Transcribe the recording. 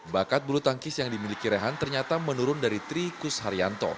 bakat bulu tangkis yang dimiliki rehan ternyata menurun dari trikus haryanto